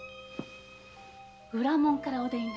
裏門からお出になれば？